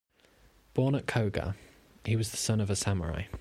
Born at Koga, he was the son of a samurai.